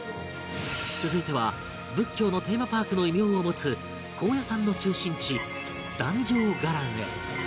続いては仏教のテーマパークの異名を持つ高野山の中心地壇上伽藍へ